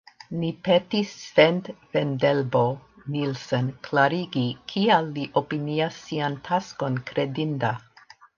Ni petis Svend Vendelbo Nielsen klarigi, kial li opinias sian takson kredinda.